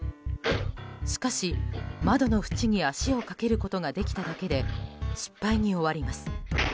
しかし、窓の縁に足をかけることができただけで失敗に終わります。